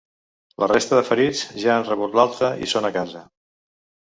La resta de ferits ja han rebut l’alta i són a casa.